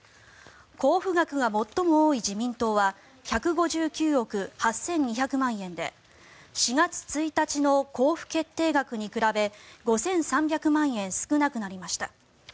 交付額が最も多い自民党は１５９億８２００万円で４月１日の交付決定額に比べ５３００万円少なくなりました。